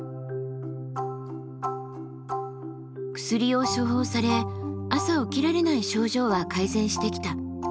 薬を処方され朝起きられない症状は改善してきた。